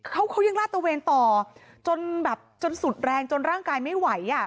เขาเขายังลาดตะเวนต่อจนแบบจนสุดแรงจนร่างกายไม่ไหวอ่ะ